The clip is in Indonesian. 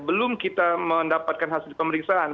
belum kita mendapatkan hasil pemeriksaan